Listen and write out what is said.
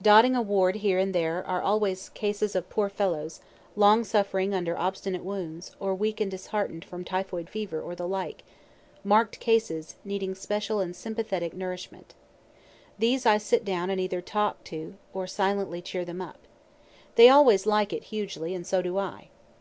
Dotting a ward here and there are always cases of poor fellows, long suffering under obstinate wounds, or weak and dishearten'd from typhoid fever, or the like; mark'd cases, needing special and sympathetic nourishment. These I sit down and either talk to, or silently cheer them up. They always like it hugely, (and so do I.)